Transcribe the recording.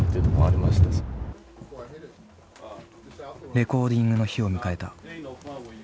レコーディングの日を迎えた。